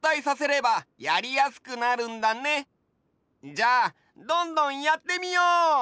じゃあどんどんやってみよう！